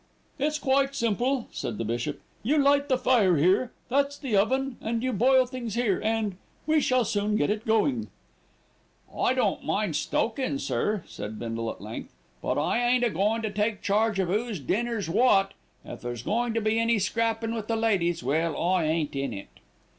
"It's quite simple," said the bishop. "You light the fire here, that's the oven, and you boil things here, and we shall soon get it going." "I don't mind stokin', sir," said Bindle at length; "but I ain't a goin' to take charge of 'oo's dinner's wot. If there's goin' to be any scrappin' with the ladies, well, I ain't in it."